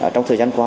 trong thời gian qua